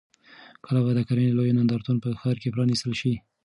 کله به د کرنې لوی نندارتون په ښار کې پرانیستل شي؟